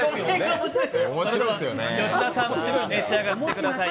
吉田さん、召し上がってください。